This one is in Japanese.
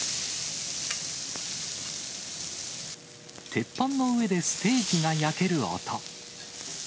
鉄板の上でステーキが焼ける音。